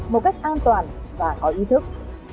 một cách an toàn và có ý thức